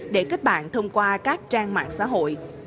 để kết bạn thông qua các trang mạng xã hội